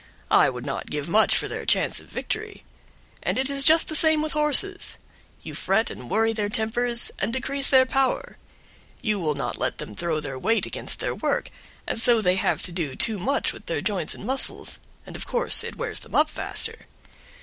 I would not give much for their chance of victory. And it is just the same with horses: you fret and worry their tempers, and decrease their power; you will not let them throw their weight against their work, and so they have to do too much with their joints and muscles, and of course it wears them up faster.